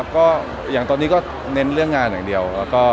ก็อย่างตอนนี้ก็เน้นเรื่องงานอย่างเดียว